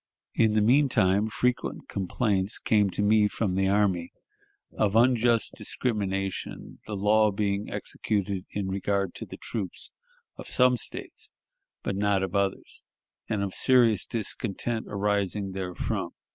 In the mean time, frequent complaints came to me from the army, of unjust discrimination, the law being executed in regard to the troops of some States but not of others, and of serious discontent arising therefrom.